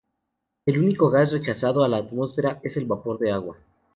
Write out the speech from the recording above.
El único gas rechazado a la atmósfera es el vapor de agua.